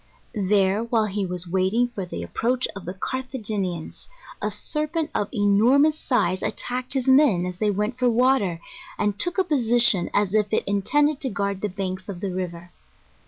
There, while he was waiting for the approach of the Carthagenians, a serpent of enormous size attacked his men as they went for water, and took a position as if it in tended to guard the banks of the river.